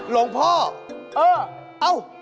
หลวงพ่ออ้าว